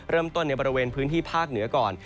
เริ่มต้นในบริเวณพื้นที่ภาคเหนือก่อน